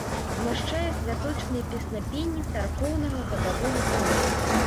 Змяшчае святочныя песнапенні царкоўнага гадавога кола.